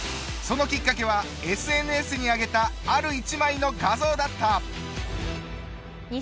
そのきっかけはＳＮＳに上げたある一枚の画像だった。